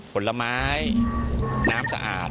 ผลไม้น้ำสะอาด